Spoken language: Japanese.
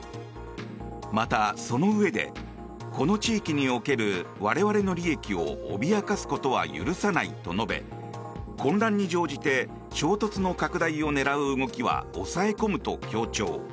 また、そのうえでこの地域における我々の利益を脅かすことは許さないと述べ混乱に乗じて衝突の拡大を狙う動きは抑え込むと強調。